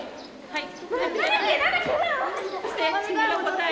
はい！